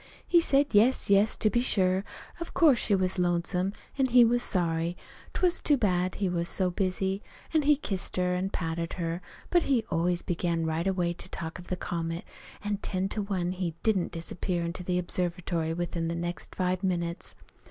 He said yes, yes, to be sure, of course she was lonesome, an' he was sorry. 'T was too bad he was so busy. An' he kissed her an' patted her. But he always began right away to talk of the comet; an' ten to one he didn't disappear into the observatory within the next five minutes.